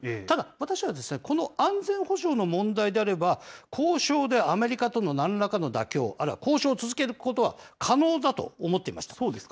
ただ、私はですね、この安全保障の問題であれば、交渉でアメリカとのなんらかの妥協、あるいは交渉を続けることは可能だと思っていました。